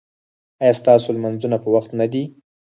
ایا ستاسو لمونځونه په وخت نه دي؟